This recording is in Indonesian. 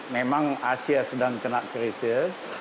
memang asia sedang kena krisis